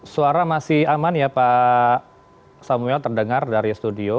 suara masih aman ya pak samuel terdengar dari studio